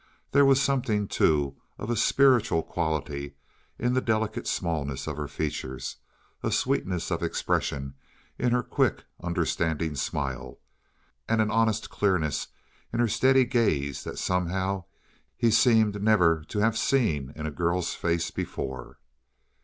There was something, too, of a spiritual quality in the delicate smallness of her features a sweetness of expression in her quick, understanding smile, and an honest clearness in her steady gaze that somehow he seemed never to have seen in a girl's face before.